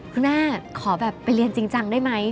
แม่ขอแบบไปเรียนจริงจังได้ไหม